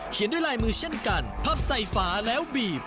ด้วยลายมือเช่นกันพับใส่ฝาแล้วบีบ